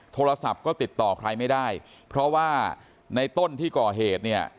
โทรศัพท์ก็ติดต่อใครไม่ได้เพราะว่าในต้นที่ก่อเหตุเนี่ย